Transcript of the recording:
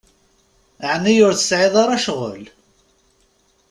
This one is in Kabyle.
Ɛni ur tesɛiḍ ara ccɣel?